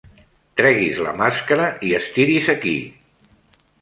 Tregui's la màscara i estiri's aquí.